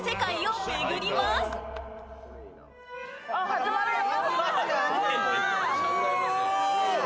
始まるよ！